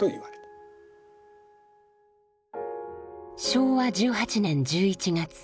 昭和１８年１１月。